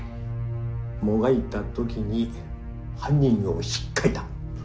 もがいた時に犯人をひっかいた。